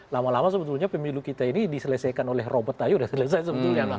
lama lama sebetulnya pemilu kita ini diselesaikan oleh robert ayu sudah selesai sebetulnya